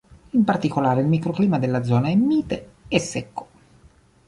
In particolare il microclima della zona è mite e secco.